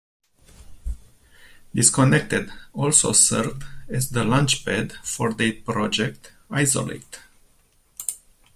"Disconnected" also served as the launch pad for their project "Isolate".